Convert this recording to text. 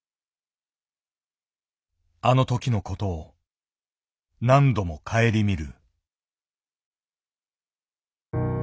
あの時のことを何度もかえりみる。